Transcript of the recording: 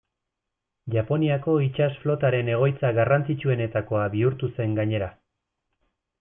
Japoniako itsas flotaren egoitza garrantzitsuenetakoa bihurtu zen gainera.